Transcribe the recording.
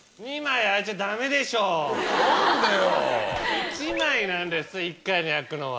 １枚なんです１回に焼くのは。